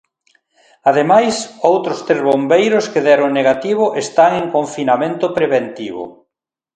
Ademais, outros tres bombeiros que deron negativo están en confinamento preventivo.